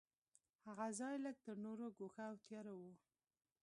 هغه ځای لږ تر نورو ګوښه او تیاره و.